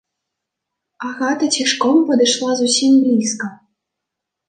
Агата цішком падышла зусім блізка.